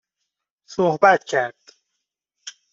صحبت کرد